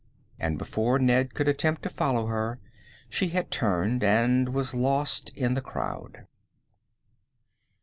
And before Ned could attempt to follow her, she had turned and was lost in the crowd.